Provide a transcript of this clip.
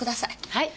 はい。